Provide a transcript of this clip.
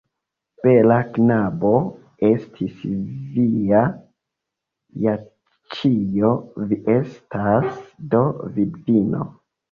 Bela knabo estis via Jaĉjo; vi estas do vidvino!